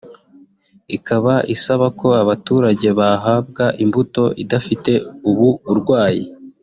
ikaba isaba ko abaturage bahabwa imbuto idafite ubu burwayi